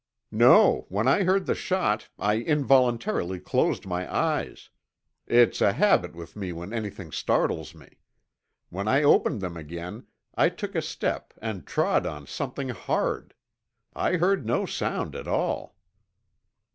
"No, when I heard the shot I involuntarily closed my eyes. It's a habit with me when anything startles me. When I opened them again I took a step and trod on something hard. I heard no sound at all."